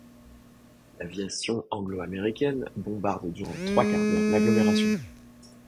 L’aviation anglo-américaine bombarde durant trois quarts d’heure l’agglomération.